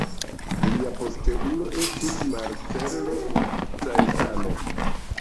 Lia posteulo estis Marcello Caetano.